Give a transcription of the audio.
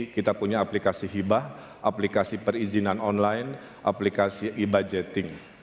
kita punya aplikasi hibah aplikasi perizinan online aplikasi e budgeting